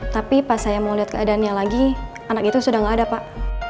tapi pas saya mau lihat keadaannya lagi anak itu sudah tidak ada pak